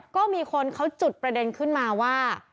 ก็มีคนเขาจุดประเด็นขึ้นมาว่า